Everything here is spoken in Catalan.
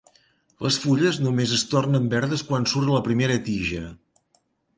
Les fulles només es tornen verdes quan surt la primera tija.